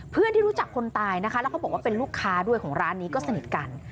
เพื่อนที่รู้จักคนตายนะคะแล้วเขาบอกว่าเป็นลูกค้าด้วยของร้านนี้ก็สนิทกัน